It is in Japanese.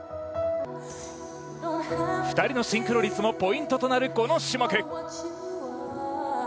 ２人のシンクロ率もポイントとなるこの種目。